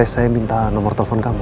mir boleh saya minta nomor telepon kamu